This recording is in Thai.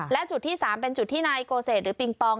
และจุดที่๓เป็นจุดที่นายโกเศษหรือปิงปอง